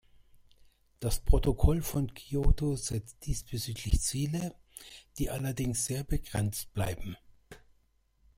Das Protokoll von Kyoto setzt diesbezüglich Ziele, die allerdings sehr begrenzt bleiben.